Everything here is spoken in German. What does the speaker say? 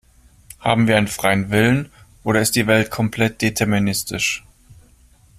Haben wir einen freien Willen oder ist die Welt komplett deterministisch?